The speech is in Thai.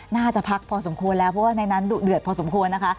น่าจะพักพอสมควรแล้วเพราะว่าในนั้นดุเดือดพอสมควรนะคะ